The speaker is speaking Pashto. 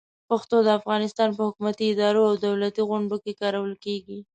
پښتو د افغانستان په حکومتي ادارو او دولتي غونډو کې کارول کېږي.